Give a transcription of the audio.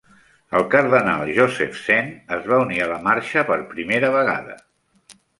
El cardenal Joseph Zen es va unir a la marxa per primera vegada.